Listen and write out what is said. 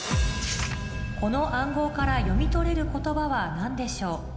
この暗号から読み取れる言葉は何でしょう？